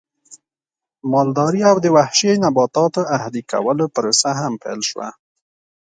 مالدارۍ او د وحشي نباتاتو اهلي کولو پروسه هم پیل شوه